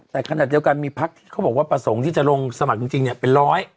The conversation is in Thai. แต่ขณะเดียวกันมีพักที่เขาบอกว่าประสงค์ที่จะลงสมัครจริงเนี่ยเป็นร้อย